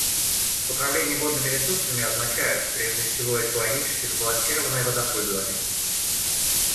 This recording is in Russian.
Управление водными ресурсами означает, прежде всего, экологически сбалансированное водопользование.